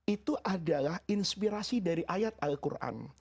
itu adalah inspirasi dari ayat al quran